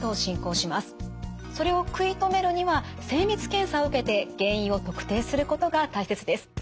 それを食い止めるには精密検査を受けて原因を特定することが大切です。